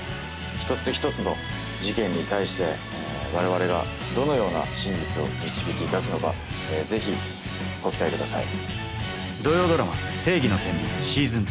一つ一つの事件に対して我々がどのような真実を導き出すのか是非ご期待ください。